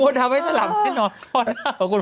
คุณทำให้สลับแน่นอน